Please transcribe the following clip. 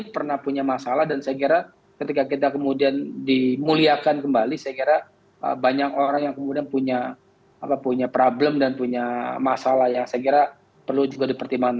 pernah punya masalah dan saya kira ketika kita kemudian dimuliakan kembali saya kira banyak orang yang kemudian punya problem dan punya masalah yang saya kira perlu juga dipertimbangkan